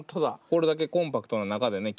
これだけコンパクトな中でね